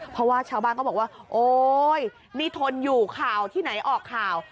เพราะว่าชาวบ้านก็บอกว่าโอ๊ยนี่ทนอยู่ข่าวที่ไหนออกข่าว